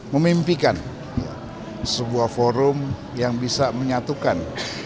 memimpikan sebuah forum yang bisa menyatukan